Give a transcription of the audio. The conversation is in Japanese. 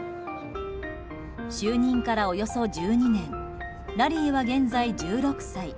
就任からおよそ１２年ラリーは現在１６歳。